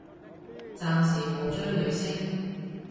暫時冇追女星